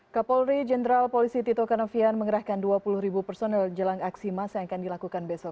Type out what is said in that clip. kapolri jenderal polisi tito karnavian mengerahkan dua puluh ribu personel jelang aksi massa yang akan dilakukan besok